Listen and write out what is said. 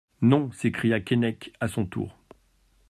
Non, s'écria Keinec à son tour.